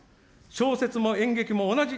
小説も演劇も同じ。